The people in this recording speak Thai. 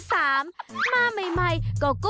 แชร์แรก